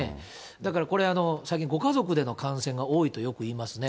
だからこれ、最近ご家族での感染が多いとよくいいますね。